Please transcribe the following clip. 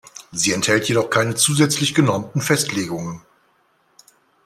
Sie enthält jedoch keine zusätzlich genormten Festlegungen.